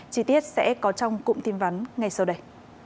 chi tiết sẽ có trong cụm tin vắn ngay sau đây